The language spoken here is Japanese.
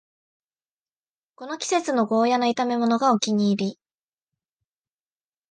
この季節はゴーヤの炒めものがお気に入り